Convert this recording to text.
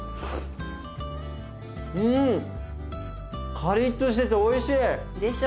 カリッとしてておいしい！でしょ。